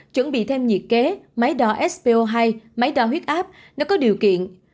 chuẩn bị thêm nhiệt kế máy đo spo hai máy đo huyết áp nó có điều kiện